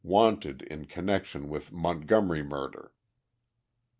Wanted in connection with Montgomery murder.